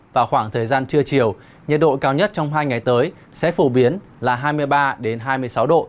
vào khoảng thời gian trưa chiều nhiệt độ cao nhất trong hai ngày tới sẽ phổ biến là hai mươi ba hai mươi sáu độ